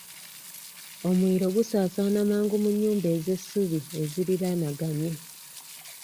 Omuliro gusaasaana mangu mu nnyumba ez'essubi eziriraanaganye.